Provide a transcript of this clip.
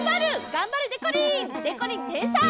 がんばれでこりん！でこりんてんさい！